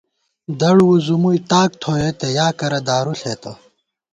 دڑوُځُمُوئی ، تاک تھوئیتہ یا کرہ دارُو ݪېتہ